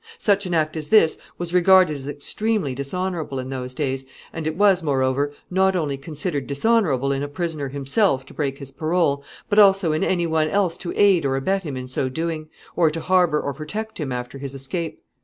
Such an act as this was regarded as extremely dishonorable in those days, and it was, moreover, not only considered dishonorable in a prisoner himself to break his parole, but also in any one else to aid or abet him in so doing, or to harbor or protect him after his escape.